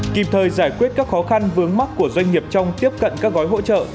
kịp thời giải quyết các khó khăn vướng mắt của doanh nghiệp trong tiếp cận các gói hỗ trợ